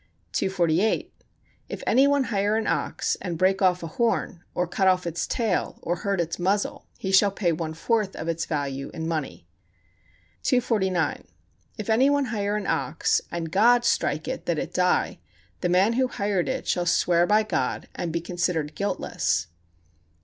248. If any one hire an ox, and break off a horn, or cut off its tail or hurt its muzzle, he shall pay one fourth of its value in money. 249. If any one hire an ox, and God strike it that it die, the man who hired it shall swear by God and be considered guiltless.